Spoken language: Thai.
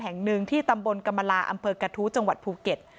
แห่งหนึ่งที่ตำบลกรรมลาอำเภอกระทู้จังหวัดภูเก็ต